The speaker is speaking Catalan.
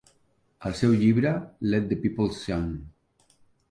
El seu llibre, Let The People Sing!